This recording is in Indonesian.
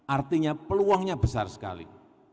artinya peluangnya besar sekali